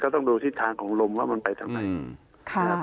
ต้องดูทิศทางลมของมันไปหลายทาง